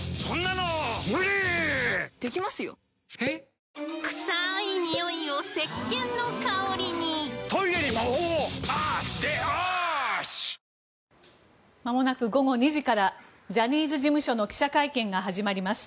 「ポリデント」まもなく午後２時からジャニーズ事務所の記者会見が始まります。